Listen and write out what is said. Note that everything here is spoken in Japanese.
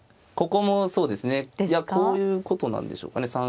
ここもそうですねこういうことなんでしょうかね。